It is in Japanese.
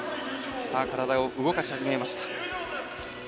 体を動かし始めました。